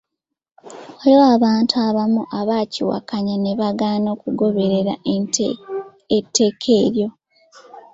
Waliwo abantu abamu abaakiwakanya ne bagaana okugoberera etteeka eryo.